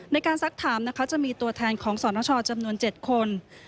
ในการซักถามนะคะจะมีตัวแทนของสนชจำนวน๗คน